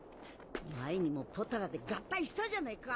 前にもポタラで合体したじゃねえか。